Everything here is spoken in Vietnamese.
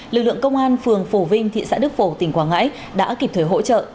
lực lượng công an phường phổ vinh thị xã đức phổ tỉnh quảng ngãi đã kịp thời hỗ trợ